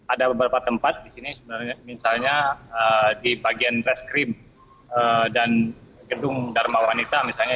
ada beberapa tempat di sini misalnya di bagian reskrim dan gedung dharma wanita misalnya